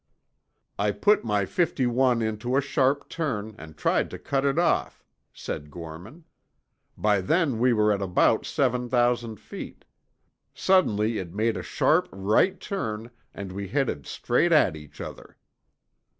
"I put my fifty one into a sharp turn and tried to cut it off," said Gorman. "By then we were at about seven thousand feet, Suddenly it made a sharp right turn and we headed straight at each other.